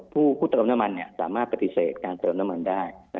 ผู้เติมน้ำมันสามารถปฏิเสธการเติมน้ำมันได้